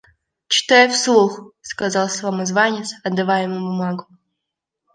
«Читай вслух», – сказал самозванец, отдавая ему бумагу.